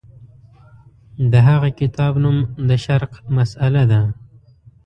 د هغه کتاب نوم د شرق مسأله ده.